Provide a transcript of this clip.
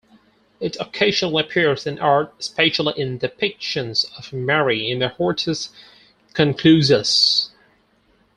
It occasionally appears in art, especially in depictions of Mary in the hortus conclusus.